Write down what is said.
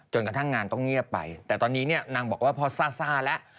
กระทั่งงานต้องเงียบไปแต่ตอนนี้เนี่ยนางบอกว่าพอซ่าแล้ว